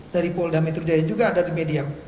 dari polda metrujaya juga ada di media